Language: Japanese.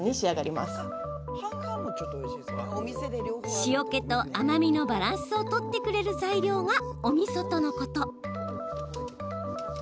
塩けと甘みのバランスを取ってくれる材料がおみそとのこと。